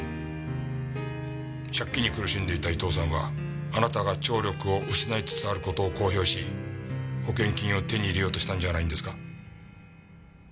借金に苦しんでいた伊東さんはあなたが聴力を失いつつある事を公表し保険金を手に入れようとしたんじゃないんですか？